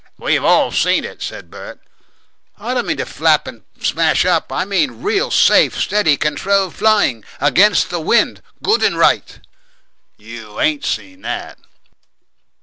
"We've all seen it," said Bert. "I don't mean flap up and smash up; I mean real, safe, steady, controlled flying, against the wind, good and right." "You ain't seen that!"